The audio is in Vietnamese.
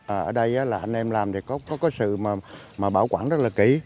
ở đây là anh em làm thì có sự bảo quản rất là kỹ